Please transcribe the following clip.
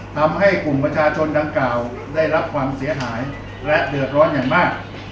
ทำให้กลุ่มประชาชนดังกล่าวได้รับความเสียหายและเดือดร้อนอย่างมาก